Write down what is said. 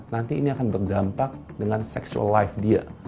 nanti ini akan berdampak dengan sexual life dia